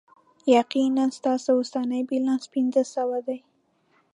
یقینا، ستاسو اوسنی بیلانس پنځه سوه دی.